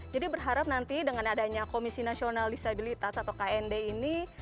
jadi berharap nanti dengan adanya komisi nasional disabilitas atau knd ini